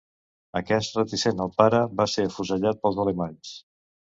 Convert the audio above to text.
Aquest reticent al pare va ser afusellat pels alemanys.